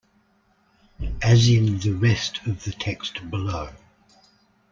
As in the rest of the text below.